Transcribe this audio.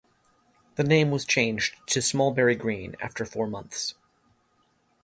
The name was changed to "Smallberry Green" after four months.